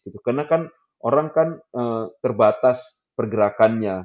karena kan orang kan terbatas pergerakannya